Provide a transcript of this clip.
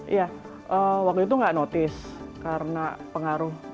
iya waktu itu nggak notice karena pengaruh